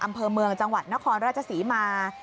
อำเภอเมืองจังหวัดนครราชศรีมา